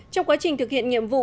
trong quá trình thực hiện nhiệm vụ